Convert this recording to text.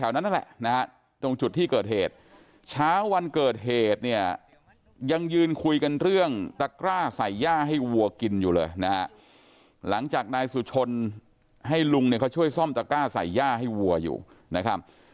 นั่นแหละนะฮะตรงจุดที่เกิดเหตุเช้าวันเกิดเหตุเนี่ยยังยืนคุยกันเรื่องตะกร้าใส่ย่าให้วัวกินอยู่เลยนะฮะหลังจากนายสุชนให้ลุงเนี่ยเขาช่วยซ่อมตะกร้าใส่ย่าให้วัวอยู่นะครับ